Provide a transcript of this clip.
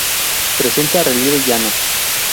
Presenta relieve llano.